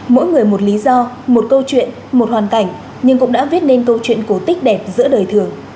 mỗi người một lý do một câu chuyện một hoàn cảnh nhưng cũng đã viết nên câu chuyện cổ tích đẹp giữa đời thường